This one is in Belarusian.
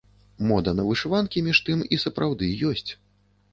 Мода на вышыванкі, між тым, і сапраўды ёсць.